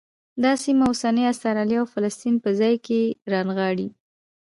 دا سیمه اوسني اسرایل او فلسطین په ځان کې رانغاړي.